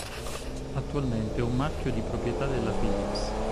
Attualmente è un marchio di proprietà della Philips.